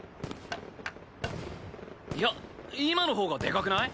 いや今のほうがでかくない？